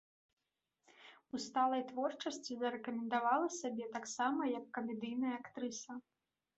У сталай творчасці зарэкамендавала сябе таксама як камедыйная актрыса.